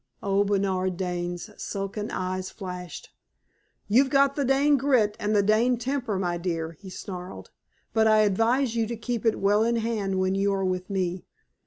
Old Bernard Dane's sunken eyes flashed. "You've got the Dane grit and the Dane temper, my dear," he snarled. "But I advise you to keep it well in hand when you are with me.